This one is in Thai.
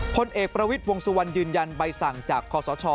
พลเอกประวิทย์วงสุวรรณยืนยันใบสั่งจากคอสช